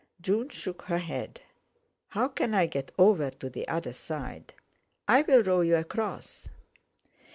June shook her head. "How can I get over to the other side?" "I'll row you across."